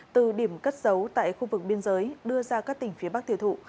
từ điểm cất giấu tại khu vực biên giới đưa ra các tỉnh phía bắc tiêu thụ